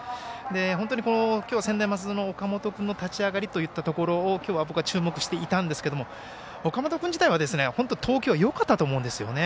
本当に今日は専大松戸の岡本君の立ち上がりに僕は注目していたんですけども岡本君自体は本当、投球はよかったと思うんですね。